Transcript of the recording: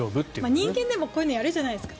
人間でもこういうのやるじゃないですか。